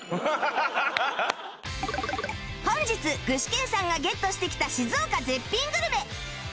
本日具志堅さんがゲットしてきた静岡絶品グルメ